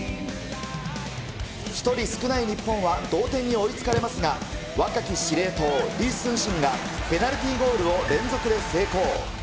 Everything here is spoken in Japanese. １人少ない日本は、同点に追いつかれますが、若き司令塔、李承信がペナルティーゴールを連続で成功。